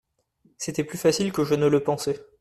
C’était plus facile que je ne le pensais.